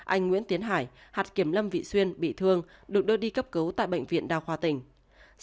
anh nguyễn tiến hải hạt kiểm lâm vị xuyên bị thương được đưa đi cấp cứu tại bệnh viện đa khoa tỉnh